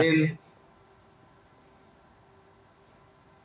tadi pak moen